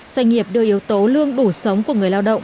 doanh nghiệp đưa yếu tố lương đủ sống của người lao động